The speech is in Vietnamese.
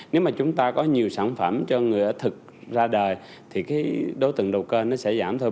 nếu mà chúng ta có nhiều sản phẩm cho người ở thực ra đời thì cái đối tượng đầu cơ nó sẽ giảm thôi